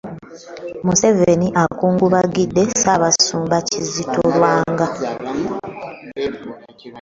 Museveni akungubagidde Ssaabasumba Kizito Lwanga